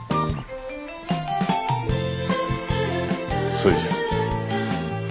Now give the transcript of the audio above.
それじゃ。